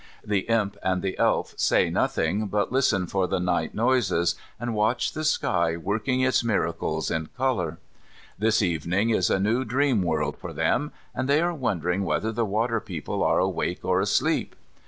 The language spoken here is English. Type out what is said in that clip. The Imp and the Elf say nothing, but listen for the night noises, and watch the sky working its miracles in colour. This evening is a new dream world for them, and they are wondering whether the water people are awake or asleep.